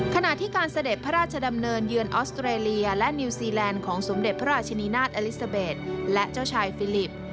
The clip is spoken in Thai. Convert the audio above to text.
ขณะที่การเสด็จพระราชดำเนินเยือนออสเตรเลียและนิวซีแลนด์ของสมเด็จพระราชนีนาฏอลิซาเบสและเจ้าชายฟิลิป